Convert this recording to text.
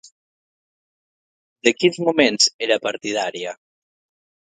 De quins moviments era partidària?